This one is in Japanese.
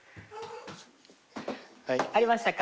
ありましたか？